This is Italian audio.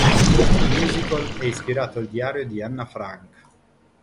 Il musical è ispirato al diario di Anna Frank.